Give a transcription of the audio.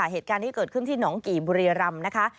เหตุการณ์ที่เกิดขึ้นที่หองกี่บุรีรำนะคะ